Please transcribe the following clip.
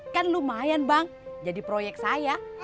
kan lumayan bang jadi proyek saya